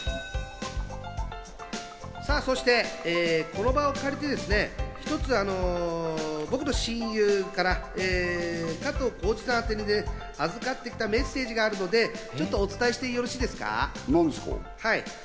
さあ、そしてこの場を借りてですね、一つ僕の親友から、加藤浩次さん宛に預かってきたメッセージがあるので、ちょっとお伝えしてよろしいですか？